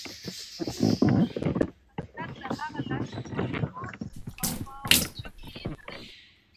درې شپېته قبرونه وکېندئ ژر کړئ.